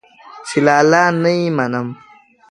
چې لالا نه يې منم.